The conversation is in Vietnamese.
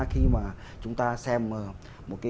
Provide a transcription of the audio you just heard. khi mà chúng ta xem một cái